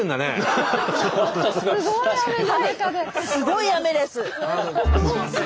すごい雨です。